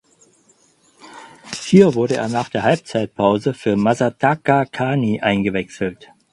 Hier wurde er nach der Halbzeitpause für Masataka Kani eingewechselt.